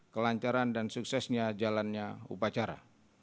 kelancaran dan suksesnya jalannya upacara